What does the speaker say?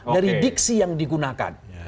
dari diksi yang digunakan